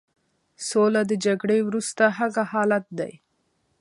سوله د جګړې وروسته هغه حالت دی.